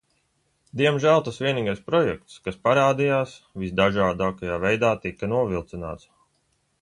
Diemžēl tas vienīgais projekts, kas parādījās, visdažādākajā veidā tika novilcināts.